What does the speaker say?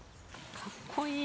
かっこいい。